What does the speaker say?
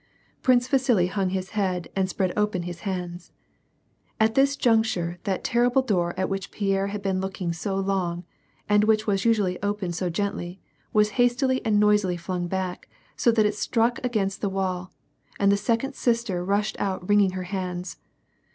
Prince Vasili hung his head and spread open his hands. At this juncture, that terrible door at which Pierre had been looking so long, and which was usually opened so gently, was hastily and noisily flung back, so that it struck against the wall, and the second sister rushed out wringing her hands.